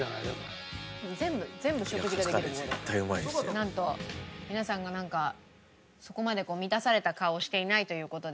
いやこれなんと皆さんがなんかそこまで満たされた顔をしていないという事で。